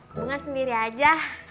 bunga sendiri aja